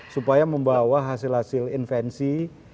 supaya membawa hasil hasil invensi